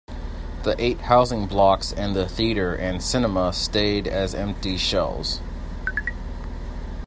The eight housing blocks and the theatre and cinema stayed as empty shells.